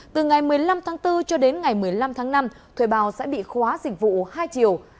từ ngày một mươi năm tháng bốn cho đến ngày một mươi năm tháng năm thuê bao sẽ bị khóa dịch vụ hai chiều